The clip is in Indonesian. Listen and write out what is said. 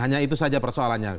hanya itu saja persoalannya